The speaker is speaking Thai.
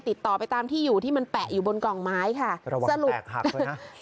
ติดต่อไปตามที่อยู่ที่มันแปะอยู่บนกล่องไม้ค่ะระวังแปลกหักเลยนะ